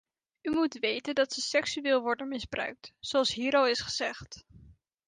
U moet weten dat ze seksueel worden misbruikt, zoals hier al is gezegd.